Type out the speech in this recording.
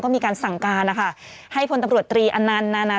มีการสั่งการนะคะให้พลตำรวจตรีอนันต์นานา